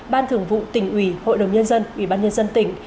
ban thường vụ tỉnh ủy hội đồng nhân dân ủy ban nhân dân tỉnh